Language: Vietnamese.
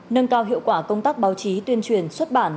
nâng cao hiệu quả công tác báo chí tuyên truyền xuất bản